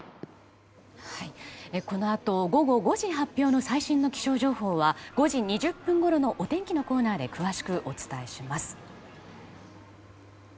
このあと、午後５時発表の最新の気象情報は５時２０分ごろのお天気のコーナーで詳しくお伝えします。